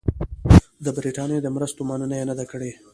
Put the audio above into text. د برټانیې د مرستو مننه یې نه ده کړې.